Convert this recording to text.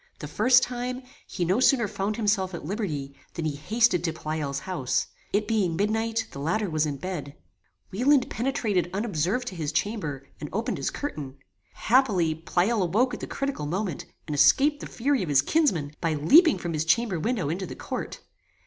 The first time, he no sooner found himself at liberty, than he hasted to Pleyel's house. It being midnight, the latter was in bed. Wieland penetrated unobserved to his chamber, and opened his curtain. Happily, Pleyel awoke at the critical moment, and escaped the fury of his kinsman, by leaping from his chamber window into the court.